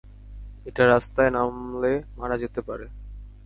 এটা রাস্তায় নামলে মারা যেতে পারে।